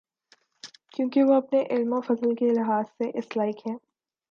کیونکہ وہ اپنے علم و فضل کے لحاظ سے اس لائق ہیں۔